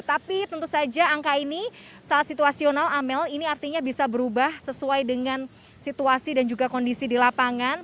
tapi tentu saja angka ini sangat situasional amel ini artinya bisa berubah sesuai dengan situasi dan juga kondisi di lapangan